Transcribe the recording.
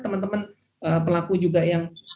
teman teman pelaku juga yang